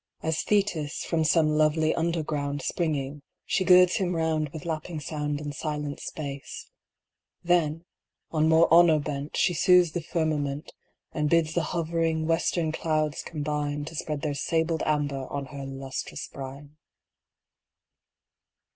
As Thetis, from some lovely under groundSpringing, she girds him roundWith lapping soundAnd silent space:Then, on more honor bent, She sues the firmament, And bids the hovering, western clouds combineTo spread their sabled amber on her lustrous brine.